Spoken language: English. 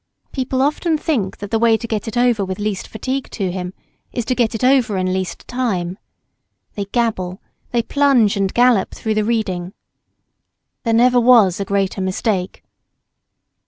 People often think that the way to get it over with least fatigue to him is to get it over in least time. They gabble; they plunge and gallop through the reading. There never was a greater mistake.